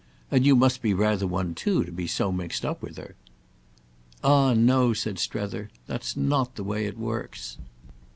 And you must be rather one too, to be so mixed up with her." "Ah no," said Strether, "that's not the way it works."